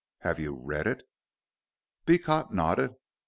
"Have you read it?" Beecot nodded.